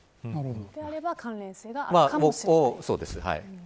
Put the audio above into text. であれば、関連性があるかもしれない。